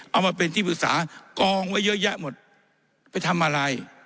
เอามาเป็นที่ปรึกษากองไว้เยอะแยะหมดไปทำอะไร